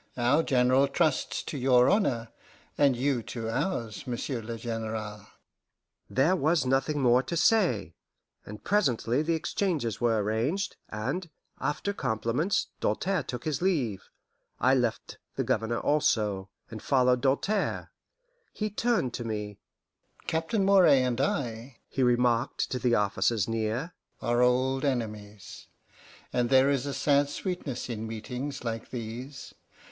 Our General trusts to your honour, and you to ours, Monsieur le General." There was nothing more to say, and presently the exchanges were arranged, and, after compliments, Doltaire took his leave. I left the Governor also, and followed Doltaire. He turned to meet me. "Captain Moray and I," he remarked to the officers near, "are old enemies; and there is a sad sweetness in meetings like these.